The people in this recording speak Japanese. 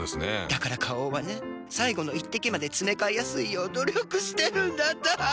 だから花王はね最後の一滴までつめかえやすいよう努力してるんだって。